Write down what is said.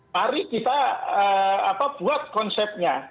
mari kita buat konsepnya